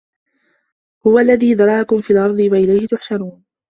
قُل هُوَ الَّذي ذَرَأَكُم فِي الأَرضِ وَإِلَيهِ تُحشَرونَ